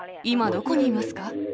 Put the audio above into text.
今どこにいますか？